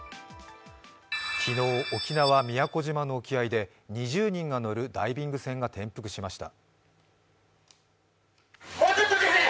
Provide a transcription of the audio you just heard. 昨日、沖縄・宮古島の沖合で２０人が乗るダイビング船が転覆しました。